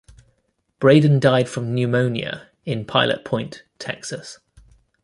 Braden died from pneumonia in Pilot Point, Texas.